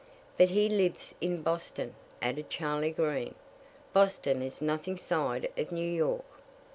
"But he lives in Boston," added Charley Green. "Boston is nothing side of New York."